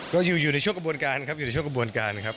ก็อยู่ในช่วงกระบวนการครับอยู่ในช่วงกระบวนการครับ